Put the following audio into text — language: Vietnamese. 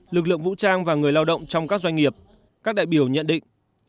lực lượng vũ trang và người lao động trong các doanh nghiệp các đại biểu nhận định